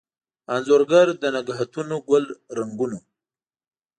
انځورګر دنګهتونوګل رنګونو